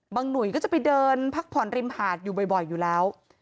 หนุ่ยก็จะไปเดินพักผ่อนริมหาดอยู่บ่อยอยู่แล้ว